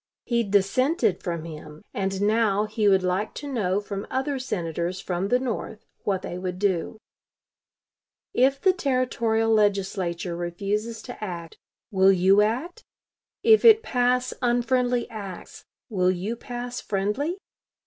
He dissented from him, and now he would like to know from other Senators from the North what they would do: "If the Territorial Legislature refuses to act, will you act? If it pass unfriendly acts, will you pass friendly?